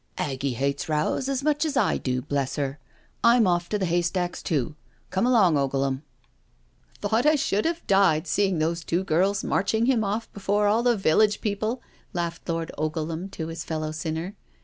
" Aggie hates rows as much as I do, bless her. I'm off to the haystack too. Come along, Ogleham.*' " Thought I should have died, seeing those two girls marching him off before all the village people," laughed Lord Ogleham to his fellow sinner.